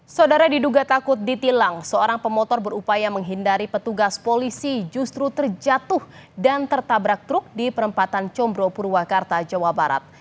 saudara diduga takut ditilang seorang pemotor berupaya menghindari petugas polisi justru terjatuh dan tertabrak truk di perempatan combro purwakarta jawa barat